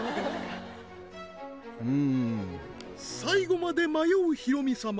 うーん最後まで迷うヒロミ様